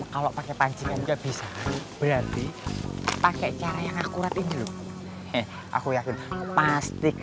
kalau pakai panci nggak bisa berhenti pakai cara yang akurat ini lho aku yakin pasti